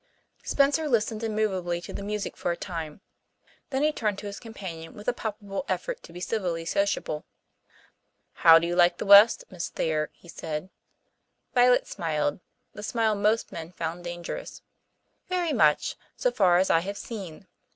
Spencer listened immovably to the music for a time. Then he turned to his companion with a palpable effort to be civilly sociable. "How do you like the west, Miss Thayer?" he said. Violet smiled the smile most men found dangerous. "Very much, so far as I have seen it.